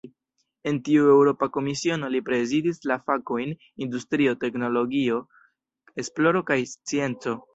En tiu Eŭropa Komisiono, li prezidis la fakojn "industrio, teknologio, esploro kaj scienco".